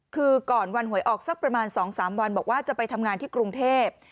คือก่อนวันหวยออกสักประมาณ๒๓วันบอกว่าจะไปทำงานที่กรุงเทพ